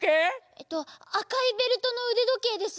えっとあかいベルトのうでどけいです。